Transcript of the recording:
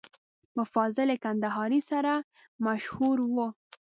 په فاضل کندهاري سره مشهور و.